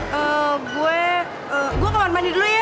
hmm gue gue kawan mandi dulu ya